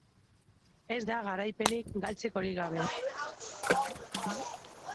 ez da garaipenik galtzekorik gabe